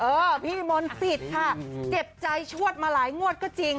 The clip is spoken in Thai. พี่มนต์สิทธิ์ค่ะเจ็บใจชวดมาหลายงวดก็จริง